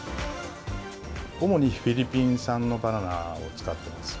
主にフィリピン産のバナナを使っています。